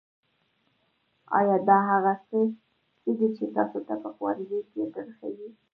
ایا دا هغه څه دي چې تاسو ته په ښوونځي کې درښیي